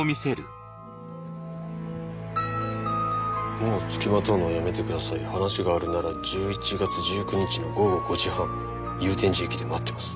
「もうつきまとうのはやめてください」「話があるなら１１月１９日の午後５時半祐天寺駅で待ってます」